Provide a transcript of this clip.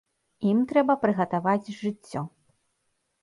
Ім трэба прыгатаваць жыццё.